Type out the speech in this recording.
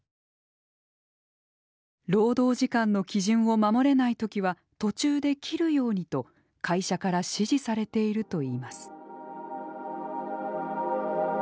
労働時間の基準を守れない時は途中で切るようにと会社から指示されているといいます。